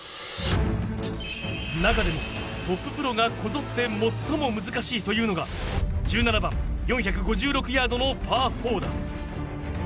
中でもトッププロがこぞって最も難しいと言うのが１７番、４５６ヤードのパー４だ。